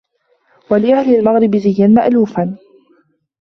وَلِأَهْلِ الْمَغْرِبِ زِيًّا مَأْلُوفًا